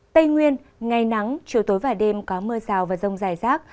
tây nguyên ngày nắng chiều tối và đêm có mưa rào và rông dài rác